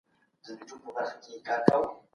د تورو د ټایپ تصویر په ماشین کې اخیستل کیږي.